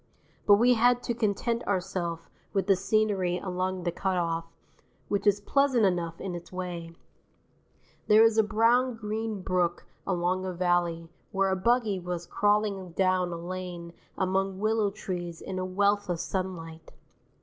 But we had to content ourself with the scenery along the cut off, which is pleasant enough in its way there is a brown green brook along a valley where a buggy was crawling down a lane among willow trees in a wealth of sunlight.